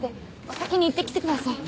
お先に行ってきてください。